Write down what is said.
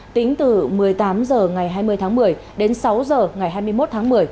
tính từ một mươi tám h ngày hai mươi tháng một mươi đến sáu h ngày hai mươi một tháng một mươi